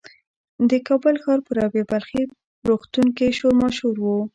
د کابل ښار په رابعه بلخي روغتون کې شور ماشور و.